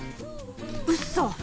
うっそ！？